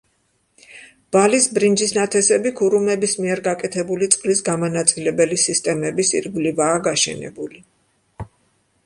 ბალის ბრინჯის ნათესები ქურუმების მიერ გაკეთებული წყლის გამანაწილებელი სისტემების ირგვლივაა გაშენებული.